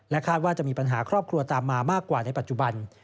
คาดว่าจะมีปัญหาครอบครัวตามมามากกว่าในปัจจุบัน